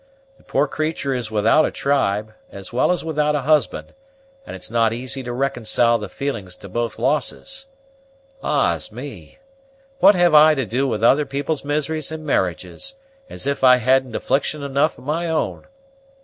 The poor creatur' is without a tribe, as well as without a husband, and it's not easy to reconcile the feelings to both losses. Ah's me! what have I to do with other people's miseries and marriages, as if I hadn't affliction enough of my own?